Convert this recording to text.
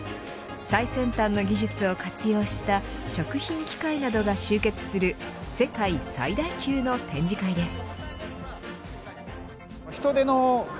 最先端の技術を活用した食品機械などが集結する世界最大級の展示会です。